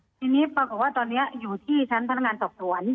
ทีนี้ปรากฏว่าตอนนี้อยู่ที่ชั้นพนักงานสอบสวน